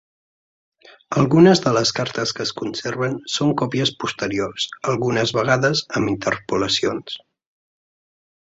Algunes de les cartes que es conserven són còpies posteriors, algunes vegades amb interpolacions.